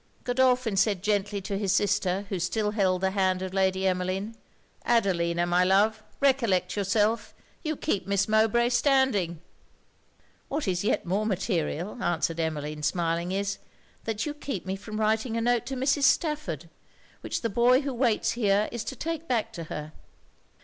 Godolphin said gently to his sister, who still held the hand of Emmeline 'Adelina, my love, recollect yourself you keep Miss Mowbray standing.' 'What is yet more material,' answered Emmeline, smiling, is, 'that you keep me from writing a note to Mrs. Stafford, which the boy who waits here is to take back to her.'